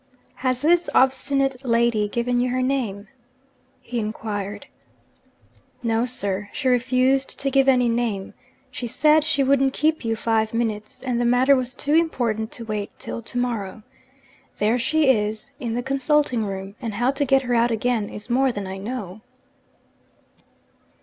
'Has this obstinate lady given you her name?' he inquired. 'No, sir. She refused to give any name she said she wouldn't keep you five minutes, and the matter was too important to wait till to morrow. There she is in the consulting room; and how to get her out again is more than I know.'